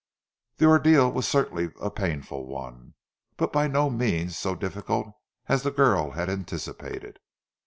The ordeal was certainly a painful one, but by no means so difficult as the girl had anticipated.